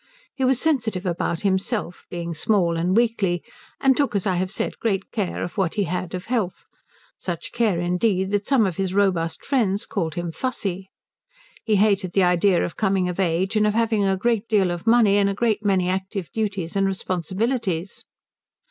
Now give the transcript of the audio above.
He was sensitive about himself, being small and weakly, and took, as I have said, great care of what he had of health, such care indeed that some of his robust friends called him Fussie. He hated the idea of coming of age and of having a great deal of money and a great many active duties and responsibilities.